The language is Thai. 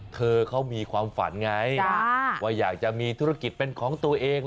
เธอเขามีความฝันไงว่าอยากจะมีธุรกิจเป็นของตัวเอง